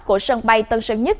của sân bay tân sơn nhất